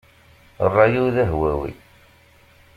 Ṛṛay-iw d ahwawi.